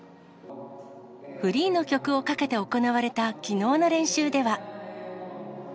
フリーの曲をかけて行われたきのうの練習では。